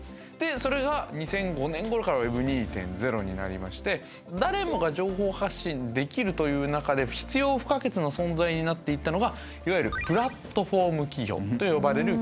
それが２００５年ごろからＷｅｂ２．０になりまして誰もが情報発信できるという中で必要不可欠な存在になっていったのがいわゆるプラットフォーム企業と呼ばれる企業になります。